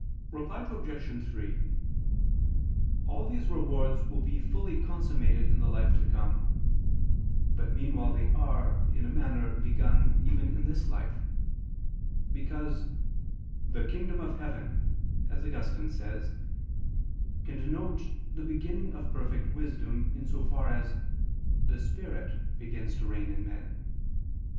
Reply Obj. 3: All these rewards will be fully consummated in the life to come: but meanwhile they are, in a manner, begun, even in this life. Because the "kingdom of heaven," as Augustine says (loc. cit.), can denote the beginning of perfect wisdom, in so far as "the spirit" begins to reign in men.